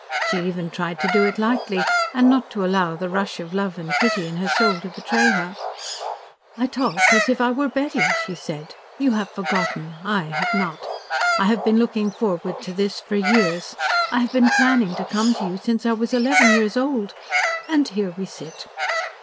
She even tried to do it lightly, and not to allow the rush of love and pity in her soul to betray her. "I talk as if as if I were Betty," she said. "You have forgotten. I have not. I have been looking forward to this for years. I have been planning to come to you since I was eleven years old. And here we sit."